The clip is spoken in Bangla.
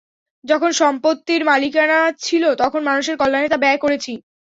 যখন সম্পত্তির মালিকানা ছিল তখন মানুষের কল্যানে তা ব্যায় করেছি।